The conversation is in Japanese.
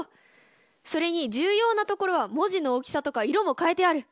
それに重要なところは文字の大きさとか色も変えてある。